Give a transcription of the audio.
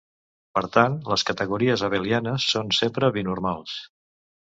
Per tant, les categories abelianes són sempre binormals.